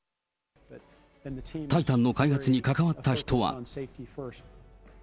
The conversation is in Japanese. タイタンの開発に関わった人は。